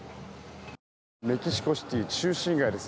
メキシコシティ中心街です。